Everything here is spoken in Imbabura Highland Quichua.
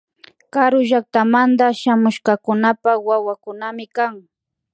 Karu llaktamanta shamushkakunapak wawakunami kan